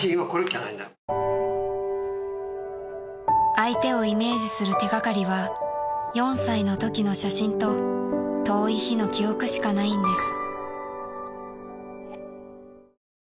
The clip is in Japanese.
［相手をイメージする手掛かりは４歳のときの写真と遠い日の記憶しかないんです］